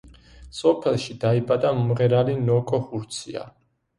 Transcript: სოფელში დაიბადა მომღერალი ნოკო ხურცია.